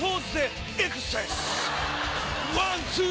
ワンツー